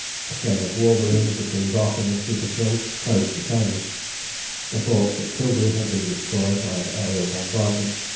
A chain of war balloons between Barking and Shooter's Hill closed the Thames. The forts at Tilbury had been destroyed by an aërial bombardment.